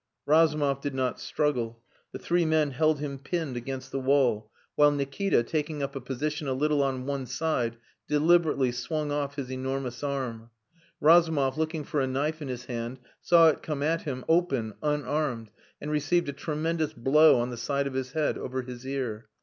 Razumov did not struggle. The three men held him pinned against the wall, while Nikita, taking up a position a little on one side, deliberately swung off his enormous arm. Razumov, looking for a knife in his hand, saw it come at him open, unarmed, and received a tremendous blow on the side of his head over his ear.